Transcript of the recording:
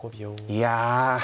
いや。